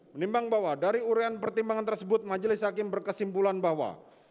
menimbang bahwa dari urean pertimbangan tersebut majelis hakim berkesimpulan bahwa